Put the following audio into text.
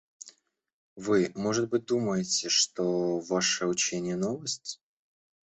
Вы, может быть, думаете, что ваше учение новость?